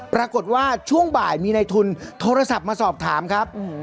ปรากฏว่าช่วงบ่ายมีในทุนโทรศัพท์มาสอบถามครับ